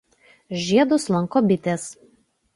Žiedus lanko bitės.